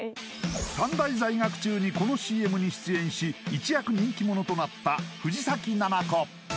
短大在学中にこのＣＭに出演し一躍人気者となった藤崎奈々子